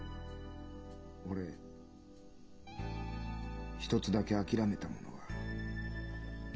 俺一つだけ諦めたものがある。